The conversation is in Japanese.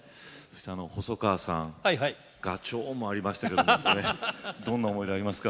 細川さんガチョーンもありましたけどどんな思いでやりました？